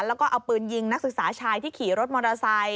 แล้วก็เอาปืนยิงนักศึกษาชายที่ขี่รถมอเตอร์ไซค